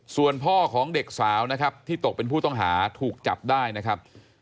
ส่วนพ่อของเด็กสาวนะครับที่ตกเป็นผู้ต้องหาถูกจับได้นะครับ